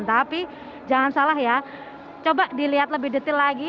tapi jangan salah ya coba dilihat lebih detail lagi